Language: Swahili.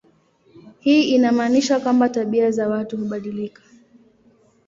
Hii inamaanisha kwamba tabia za watu hubadilika.